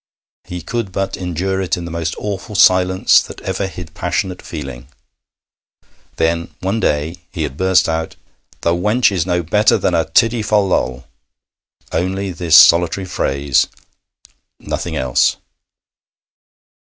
He could but endure it in the most awful silence that ever hid passionate feeling. Then one day he had burst out, 'The wench is no better than a tiddy fol lol!' Only this solitary phrase nothing else.